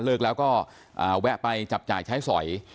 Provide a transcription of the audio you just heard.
เลิกแล้วก็แวะไปจับจ่ายใช้สอย